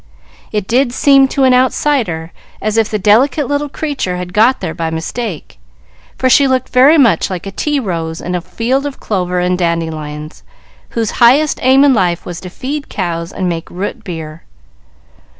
It did seem, to an outsider, as if the delicate little creature had got there by mistake, for she looked very like a tea rose in a field of clover and dandelions, whose highest aim in life was to feed cows and help make root beer.